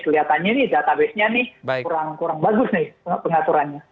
kelihatannya ini database nya kurang bagus nih pengaturannya